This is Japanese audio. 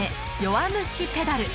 弱虫ペダル」。